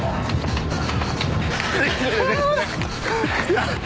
やった。